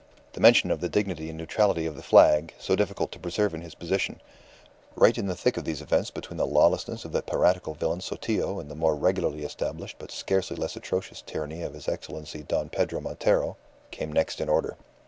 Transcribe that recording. The mention of the dignity and neutrality of the flag, so difficult to preserve in his position, "right in the thick of these events between the lawlessness of that piratical villain Sotillo and the more regularly established but scarcely less atrocious tyranny of his Excellency Don Pedro Montero," came next in order.